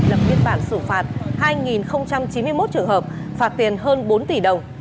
lập biên bản xử phạt hai chín mươi một trường hợp phạt tiền hơn bốn tỷ đồng